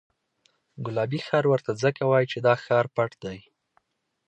ګلابي ښار ورته ځکه وایي چې دا ښار پټ دی.